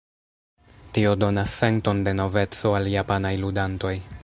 Tio donas senton de noveco al japanaj ludantoj.